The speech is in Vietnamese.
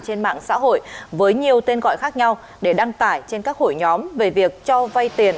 trên mạng xã hội với nhiều tên gọi khác nhau để đăng tải trên các hội nhóm về việc cho vay tiền